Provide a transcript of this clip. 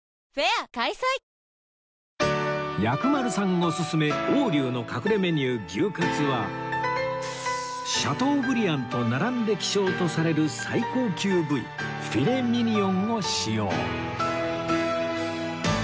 オススメ王龍の隠れメニュー牛かつはシャトーブリアンと並んで希少とされる最高級部位フィレミニヨンを使用